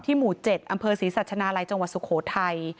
หมู่๗อำเภอศรีสัชนาลัยจังหวัดสุโขทัย